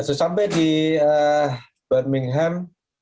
sesampai di birmingham